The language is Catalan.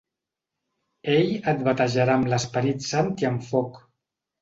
Ell et batejarà amb l'Esperit Sant i amb foc.